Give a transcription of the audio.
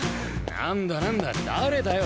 何だ何だ誰だよ？